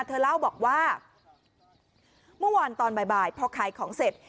เธอเล่าบอกว่าเมื่อวานตอนบ่ายพอขายของเสร็จ